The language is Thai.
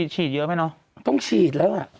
ฉีดเยอะไหมเนอะต้องฉีดแล้วล่ะ